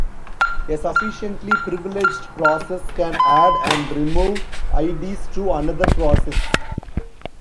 A sufficiently privileged process can add and remove ids to another process.